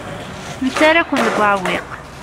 Nettarra-ken deg uɛewwiq.